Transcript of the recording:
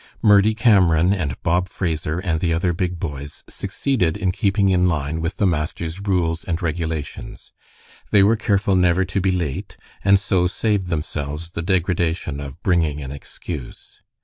Murdie Cameron and Bob Fraser and the other big boys succeeded in keeping in line with the master's rules and regulations. They were careful never to be late, and so saved themselves the degradation of bringing an excuse.